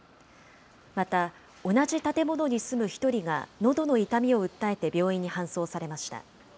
また、同じ建物に住む１人がのどの痛みを訴えて病院に搬送されました。